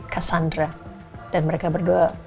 cassandra dan mereka berdua